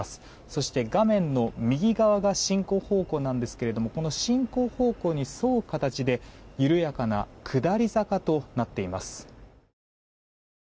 そして、画面の右側が進行方向なんですけれどもこの進行方向に沿う形で緩やかな下り坂となっています。